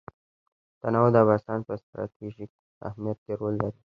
تنوع د افغانستان په ستراتیژیک اهمیت کې رول لري.